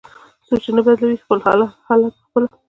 "څوک چې نه بدلوي خپل حالت په خپله".